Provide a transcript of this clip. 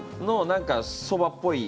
何かそばっぽい